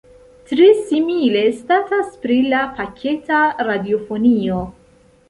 Tre simile statas pri la paketa radiofonio.